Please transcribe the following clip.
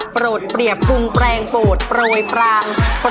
ผลเซนประคัต